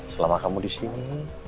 selama kamu disini